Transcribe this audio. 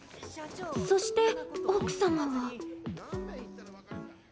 そして奥様は。